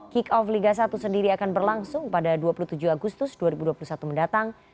kick off liga satu sendiri akan berlangsung pada dua puluh tujuh agustus dua ribu dua puluh satu mendatang